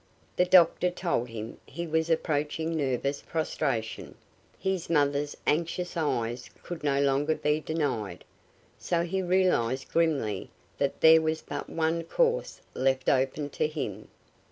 The doctor told him he was approaching nervous prostration; his mother's anxious eyes could no longer be denied, so he realized grimly that there was but one course left open to him.